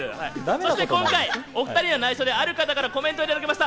そして今回、お２人には内緒で、ある方からコメントをいただきました。